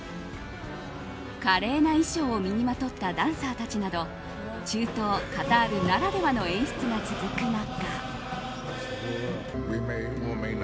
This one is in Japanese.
華麗な衣装を身にまとったダンサーたちなど中東カタールならではの演出が続く中。